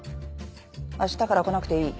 あしたから来なくていい。